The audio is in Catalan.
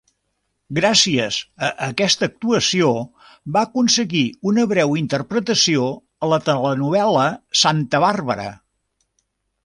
Gràcies a aquesta actuació va aconseguir una breu interpretació a la telenovel·la "Santa Bàrbara".